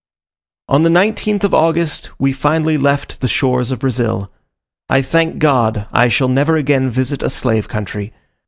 On the 19th of August we finally left the shores of Brazil. I thank God, I shall never again visit a slave country.